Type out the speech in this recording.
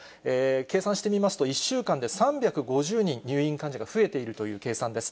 計算してみますと、１週間で３５０人、入院患者が増えているという計算です。